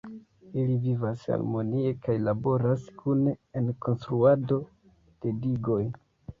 Ili vivas harmonie kaj laboras kune en konstruado de digoj.